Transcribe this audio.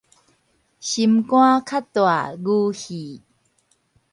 心肝較大牛肺